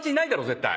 絶対。